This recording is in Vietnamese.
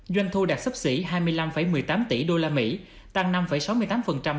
doanh thu đạt sấp xỉ hai mươi năm một mươi tám tỷ usd tăng năm sáu mươi tám so với cùng kỳ